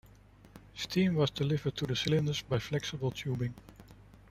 Steam was delivered to the cylinders via flexible tubing.